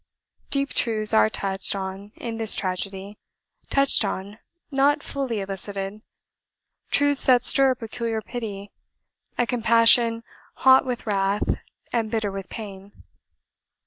"Deep truths are touched on in this tragedy touched on, not fully elicited; truths that stir a peculiar pity a compassion hot with wrath, and bitter with pain.